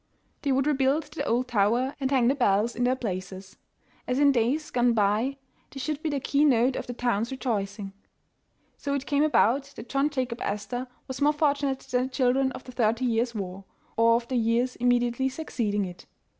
They would rebuild the old tower and hang the bells in their places. As in days gone by, they should be the key note of the town's rejoicing. So it came about that John Jacob Astor was more fortunate than the children of the thirty years' war, or of the years immediately succeeding it.